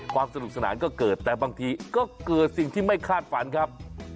ความสนุกสนานก็เกิดแต่บางทีก็เกิดสิ่งที่ไม่คาดฝันครับ